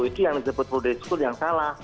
itu yang disebut full day school yang salah